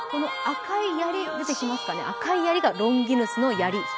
この赤い槍がロンギヌスの槍。